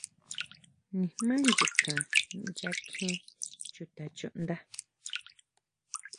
Nijmá nyikan nya kjie chuta chuʼnda.